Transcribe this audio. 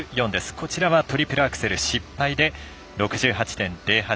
こちらはトリプルアクセル失敗で６８．０８。